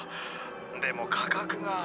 でも価格が。